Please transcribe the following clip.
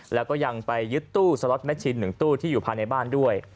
แล้วก็ยังไปยึดตู้สล็อตแมชชิน๑ตู้ที่อยู่ภายในบ้านด้วย